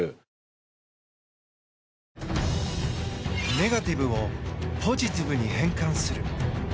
ネガティブをポジティブに変換する。